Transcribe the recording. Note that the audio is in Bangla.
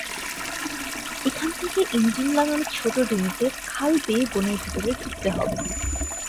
এখান থেকে ইঞ্জিন লাগানো ছোট ডিঙিতে খাল বেয়ে বনের ভেতরে ঢুকতে হবে।